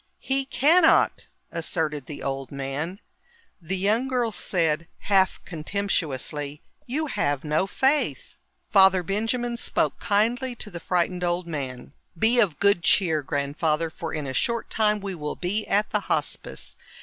"He cannot!" asserted the old man. The young girl said, half contemptuously, "You have no faith." Father Benjamin spoke kindly to the frightened old man. "Be of good cheer, Grandfather, for in a short time we will be at the Hospice.